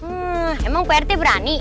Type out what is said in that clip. hmm emang prt berani